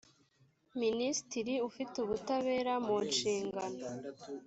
minisitiri ufite ubutabera mu nshingano